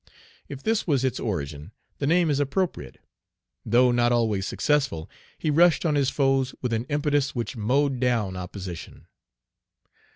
If this was its origin, the name is appropriate. Though not always successful, he rushed on his foes with an impetus which mowed down opposition.